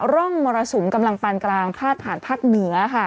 ร่องมรสุมกำลังปานกลางพาดผ่านภาคเหนือค่ะ